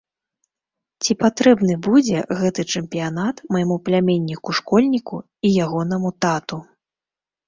Ці патрэбны будзе гэты чэмпіянат майму пляменніку-школьніку і ягонаму тату?